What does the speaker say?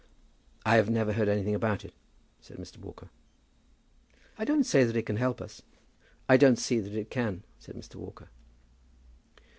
"I have never heard anything of it," said Mr. Walker. "I don't say that it can help us." "I don't see that it can," said Mr. Walker.